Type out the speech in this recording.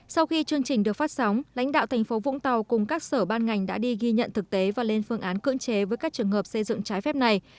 sau khi chương trình được phát sóng lãnh đạo thành phố vũng tàu cùng các sở ban ngành đã đi ghi nhận thực tế và lên phương án cưỡng chế với các trường hợp xây dựng trái phép này